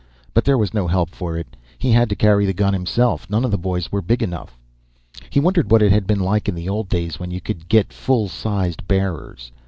But there was no help for it, he had to carry the gun himself. None of the boys were big enough. He wondered what it had been like in the old days, when you could get fullsized bearers.